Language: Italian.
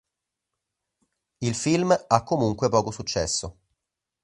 Il film, ha comunque poco successo.